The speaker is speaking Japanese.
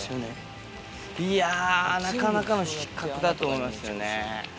いやなかなかの死角だと思いますよね。